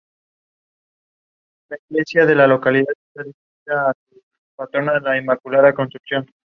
La elección de Segismundo no fue confirmada por el papa.